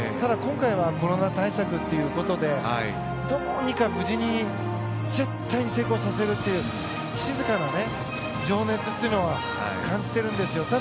今回はコロナ対策ということでどうにか無事に成功させるという静かな情熱というのを感じてるんですよ。